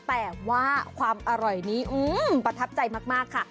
แต่ว่าความอร่อยนี้ประทับใจมากค่ะ